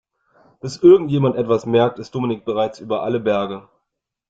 Bis irgendjemand etwas merkt, ist Dominik bereits über alle Berge.